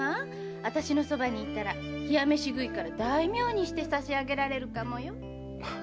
あたしの側にいたら冷や飯食いから大名にしてさし上げられるかもよ？